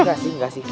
enggak sih enggak sih